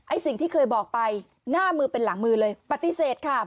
สิ่งที่เคยบอกไปหน้ามือเป็นหลังมือเลยปฏิเสธค่ะ